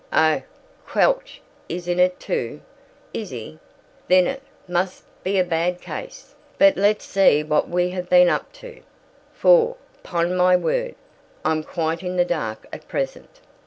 "Oh, Quelch is in it too, is he? Then it must be a bad case. But let's see what we have been up to, for, 'pon my word, I'm quite in the dark at present."